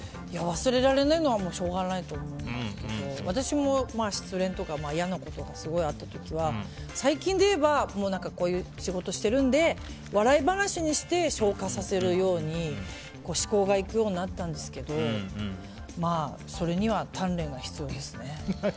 忘れられないのはしょうがないと思いますけど私も失恋とかいやなことがすごいあった時は最近でいえばこういう仕事をしているので笑い話にして昇華させるように思考がいくようになったんですけど鍛錬。